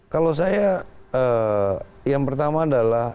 kalau saya yang pertama adalah